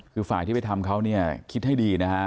คือฝ่ายที่ไปทำเขาเนี่ยคิดให้ดีนะฮะ